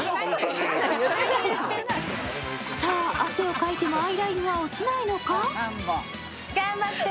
さぁ、汗をかいてもアイラインは落ちないのか？